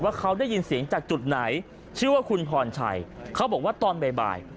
เขาได้ยินเสียงจากจุดไหนชื่อว่าคุณพรชัยเขาบอกว่าตอนบ่าย